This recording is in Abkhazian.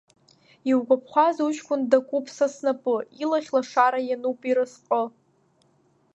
Иугәаԥхаз уҷкәын дакуп са снапы, илахь лашара иануп ирызҟы.